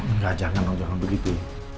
enggak jangan jangan begitu